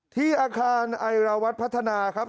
ที่อาคารไอราวัตรพัฒนาครับ